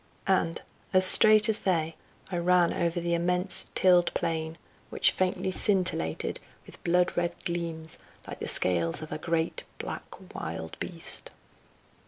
And, as straight as they, I ran over the immense tilled plain, which faintly scintillated with blood red gleams like the scales of a great black wild beast.